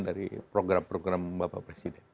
dari program program bapak presiden